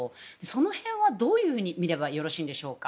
その辺はどういうふうにみればよろしいでしょうか。